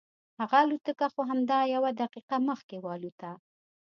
هغه الوتکه خو همدا یوه دقیقه مخکې والوتله.